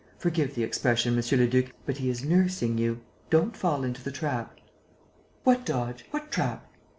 Forgive the expression, monsieur le duc, but he is 'nursing' you. Don't fall into the trap." "What dodge? What trap?"